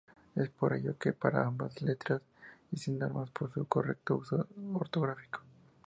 Es por ello que para ambas letras existen normas para su correcto uso ortográfico.